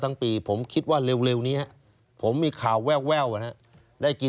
ตั้งปีผมคิดว่าเร็วนี้